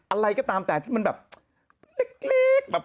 อะไรก็ตามแต่ที่มันแบบเล็กแบบ